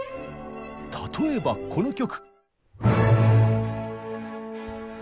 例えばこの曲。